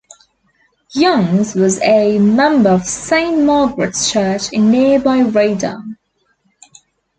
Youngs was a member of Saint Margaret's Church in nearby Reydon.